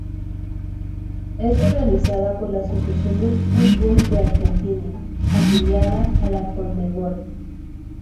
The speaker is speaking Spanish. Es organizada por la Asociación de Fútbol de Argentina afiliada a la Conmebol.